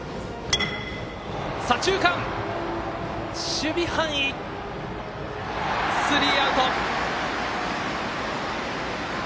守備範囲、スリーアウト。